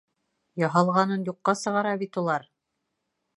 Яһалғанын юҡҡа сығара бит улар!